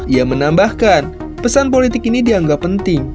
ia menambahkan pesan politik ini dianggap penting